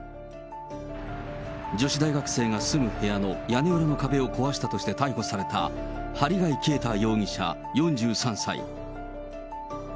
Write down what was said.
女子大学生が住む部屋の屋根裏の壁を壊したとして逮捕された、針谷啓太容疑者４３歳。